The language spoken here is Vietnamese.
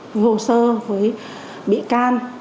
với hồ sơ với bị can